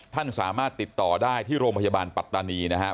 ท่านสามารถติดต่อได้ที่โรงพยาบาลปัตตานีนะครับ